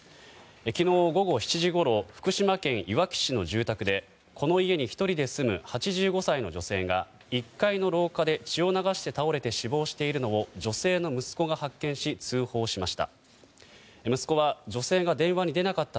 昨日午後７時ごろ福島県いわき市の住宅でこの家に１人で住む８５歳の女性が１階の廊下で血を流して倒れて死亡しているのを女性の息子が発見し通報しました。